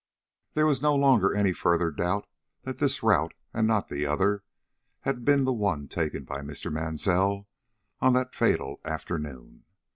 There was no longer any further doubt that this route, and not the other, had been the one taken by Mr. Mansell on that fatal afternoon.